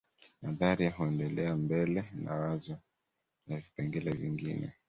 Nadharia huendelea mbele na wazo la vipengele vingine